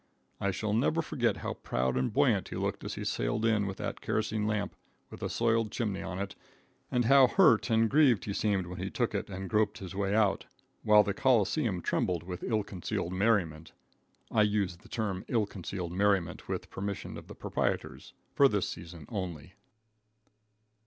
I shall never forget how proud and buoyant he looked as he sailed in with that kerosene lamp with a soiled chimney on it, and how hurt and grieved he seemed when he took it and groped his way out, while the Coliseum trembled with ill concealed merriment. I use the term "ill concealed merriment" with permission of the proprietors, for this season only.